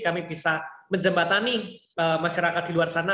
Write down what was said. kami bisa menjembatani masyarakat di luar sana